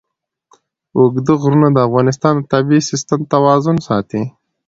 اوږده غرونه د افغانستان د طبعي سیسټم توازن ساتي.